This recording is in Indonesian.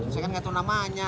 saya kan gak tau namanya